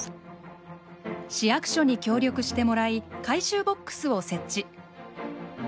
市役所に協力してもらい回収ボックスを設置。